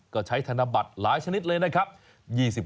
ก็ใช้ธนบัตรหลายชนิดเลยนะครับ